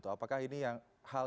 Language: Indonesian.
apakah ini hal yang normal terjadi